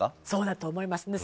そうだと思います。